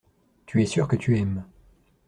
Tu es sûr que tu aimes.